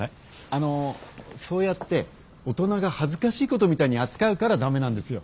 あのそうやって大人が恥ずかしいことみたいに扱うから駄目なんですよ。